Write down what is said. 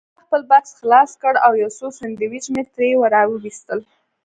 ما خپل بکس خلاص کړ او یو څو سنډوېچ مې ترې راوایستل.